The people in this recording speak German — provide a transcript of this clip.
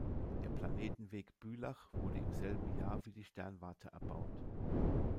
Der Planetenweg Bülach wurde im selben Jahr wie die Sternwarte erbaut.